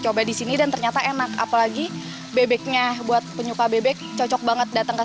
coba di sini dan ternyata enak apalagi bebeknya buat penyuka bebek cocok banget datang ke